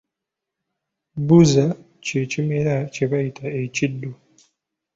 Bbuza kye kimera kye bayita ekiddo.